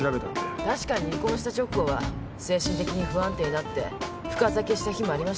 確かに離婚した直後は精神的に不安定になって深酒した日もありました。